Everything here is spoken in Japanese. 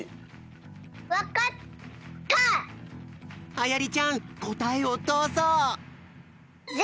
あやりちゃんこたえをどうぞ！